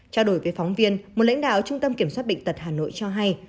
trao đổi với phóng viên một lãnh đạo trung tâm kiểm soát bệnh tật hà nội cho hay